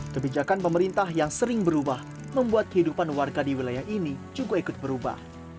kebijakan pemerintah yang sering berubah membuat kehidupan warga di wilayah ini juga ikut berubah